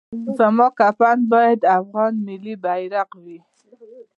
زما کفن باید افغان ملي بیرغ وي